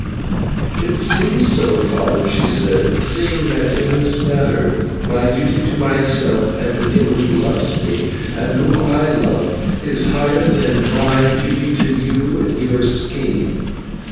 "It seems so, father," she said, "seeing that in this matter my duty to myself and to him who loves me, and whom I love, is higher than my duty to you and to your scheme.